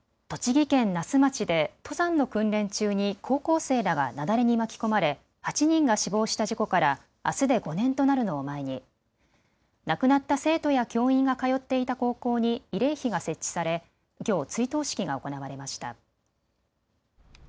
栃木県那須町で登山の訓練中に高校生らが雪崩に巻き込まれ８人が死亡した事故から、あすで５年となるのを前に亡くなった生徒や教員が通っていた高校に慰霊碑が設置されきょう追悼式が行われました。